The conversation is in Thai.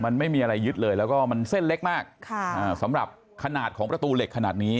มันไม่มีอะไรยึดเลยแล้วก็มันเส้นเล็กมากค่ะอ่าสำหรับขนาดของประตูเหล็กขนาดนี้